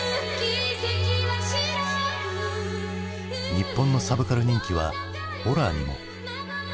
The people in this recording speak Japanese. ☎日本のサブカル人気はホラーにも。